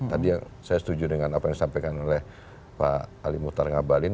tadi saya setuju dengan apa yang disampaikan oleh pak ali muhtar ngabalin